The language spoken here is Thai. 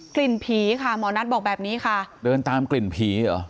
กลิ่นผีค่ะหมอนัทบอกแบบนี้ค่ะเดินตามกลิ่นผีเหรอ